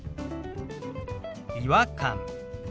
「違和感」。